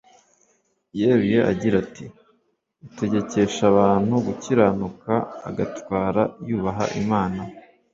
yeruye agira ati utegekesha abantu gukiranuka agatwara yubaha imana